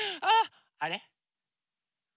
あれ？